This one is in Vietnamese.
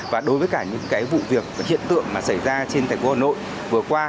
và đối với cả những cái vụ việc hiện tượng mà xảy ra trên thành phố hà nội vừa qua